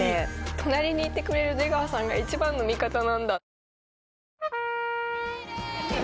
隣にいてくれる出川さんが一番の味方なんだ。